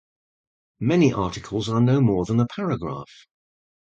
Many articles are no more than a paragraph.